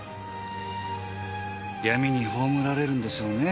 闇に葬られるんでしょうね。